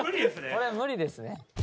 これは無理ですね。